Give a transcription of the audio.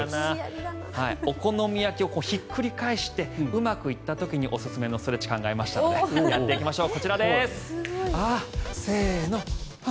お好み焼きをひっくり返してうまくいった時におすすめのストレッチを考えましたのでやっていきましょう。